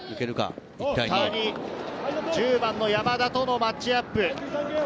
１０番の山田とのマッチアップ。